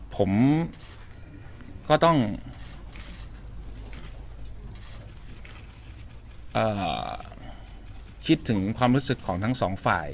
ผมก็ต้องคิดถึงความรู้สึกของทั้งสองฝ่าย